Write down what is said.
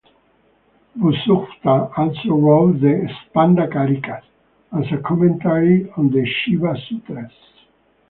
Vasugupta also wrote the "Spanda Karikas" as a commentary on the Shiva Sutras.